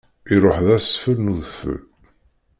Iruḥ d asfel n udfel.